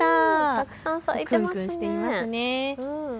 たくさん咲いていますね。